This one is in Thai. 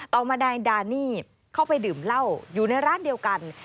ต่อมานายดานี่เข้าไปดื่มเหล้าอยู่ในร้านเดียวกัน